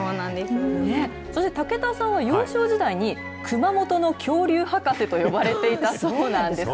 そして、武田さんは幼少時代に、熊本の恐竜博士と呼ばれていたそうなんですが。